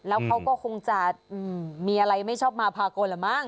แล้วเขาก็คงจะมีอะไรไม่ชอบมาพากลละมั้ง